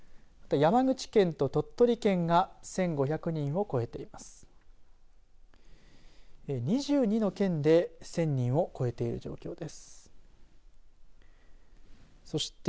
山口県と鳥取県が１５００人を超えています。